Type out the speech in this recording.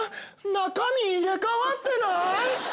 中身入れ替わってない！？